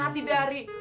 elah elah elah